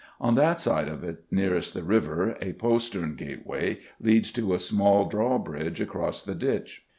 On that side of it nearest the river, a postern gateway leads to a small drawbridge across the ditch.